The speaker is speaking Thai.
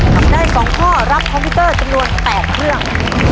ทำได้๒ข้อรับคอมพิวเตอร์จำนวน๘เครื่อง